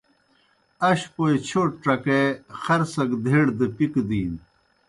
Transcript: اشپوئے چھوٹ ڇکے خر سگہ دھیڑ دہ پکی دِینوْ